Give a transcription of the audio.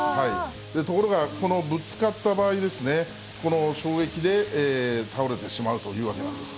ところがこのぶつかった場合ですね、この衝撃で倒れてしまうというわけなんです。